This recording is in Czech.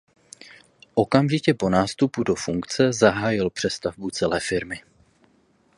Okamžitě po nástupu do funkce zahájil přestavbu celé firmy.